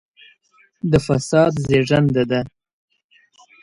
د فساد زېږنده ده.